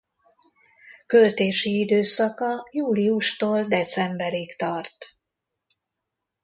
Költési időszaka júliustól decemberig tart.